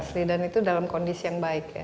sd dan itu dalam kondisi yang baik ya